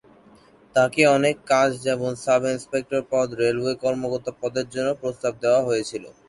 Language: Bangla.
তাকে অনেক কাজ যেমন সাব ইনস্পেক্টর পদ, রেলওয়ে কর্মকর্তা পদের জন্যও প্রস্তাব দেয়া হয়েছিলো।